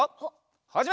はじめ！